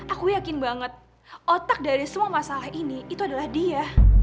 aku yakin banget otak dari semua masalah ini itu adalah dia